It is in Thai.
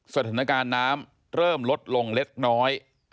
สถานการณ์น้ำเริ่มลดลงเล็กน้อย